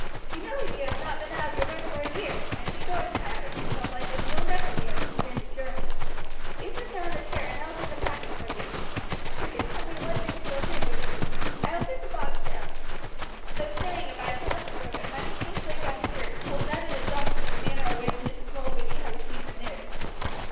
You know you have not been out of your room for a year, and if you go a tiring yourself like this you will never be able to stand the journey. You sit down in the chair and I will do the packing for you. You can tell me what things you will take with you. I will get the box down." So saying, Abijah left the room, and, running hastily downstairs, told Ned and the doctor the manner in which Mrs. Mulready had received the news.